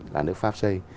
là nước pháp xây